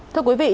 thưa quý vị